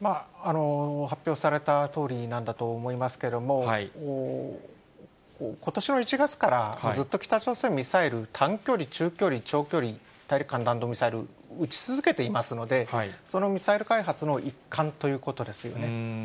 発表されたとおりなんだと思いますけれども、ことしの１月から、ずっと北朝鮮、ミサイル、短距離、中距離、長距離、大陸間弾道ミサイル、撃ち続けていますので、そのミサイル開発の一環ということですよね。